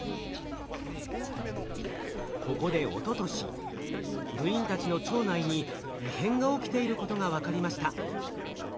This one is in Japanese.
ここでおととし部員たちの腸内に異変が起きていることが分かりました。